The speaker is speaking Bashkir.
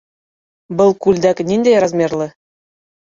Был күлдәк ниндәй размерлы?